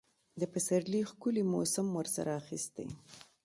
د پسرلي ښکلي موسم ورسره اخیستی.